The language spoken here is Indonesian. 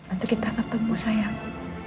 untuk kita ketemu sayang